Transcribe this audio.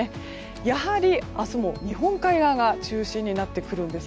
やはり、明日も日本海側が中心になってくるんです。